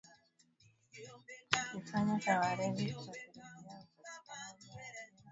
Tukifanya kwa weredi kutapelekea upatikanaji wa ajira na uhifadhi bora wa bahari